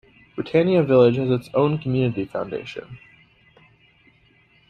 Britannia Village has its own Community Foundation.